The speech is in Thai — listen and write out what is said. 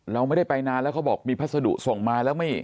เราไม่ได้ไปนานแล้วเขาบอกมีพัสดุส่งมาแล้วไม่